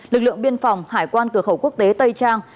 lực lượng biên phòng hải quan cửa khẩu quốc tế tây trang